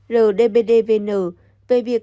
rdbdvn về việc